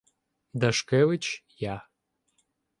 Дашкевич Я.